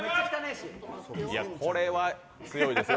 これは強いですよ